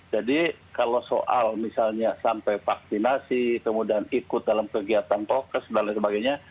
jadi kalau soal misalnya sampai vaksinasi kemudian ikut dalam kegiatan prokes dan lain sebagainya